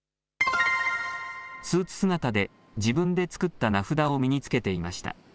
スーツ姿で、自分で作った名札を身に着けていました。